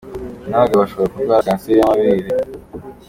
N’abagabo bashobora kurwara Kanseri y’amabere